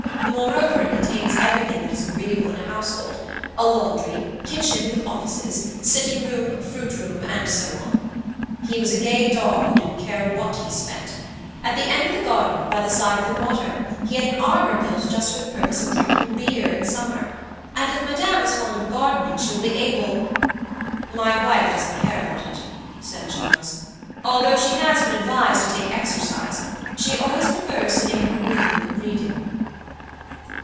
Moreover, it contains everything that is agreeable in a household a laundry, kitchen with offices, sitting room, fruit room, and so on. He was a gay dog, who didn't care what he spent. At the end of the garden, by the side of the water, he had an arbour built just for the purpose of drinking beer in summer; and if madame is fond of gardening she will be able " "My wife doesn't care about it," said Charles; "although she has been advised to take exercise, she prefers always sitting in her room reading."